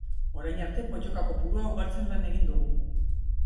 Orain arte pottoka kopurua ugaltzen lan egin dugu.